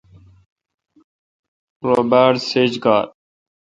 ررو باڑ سیج گار۔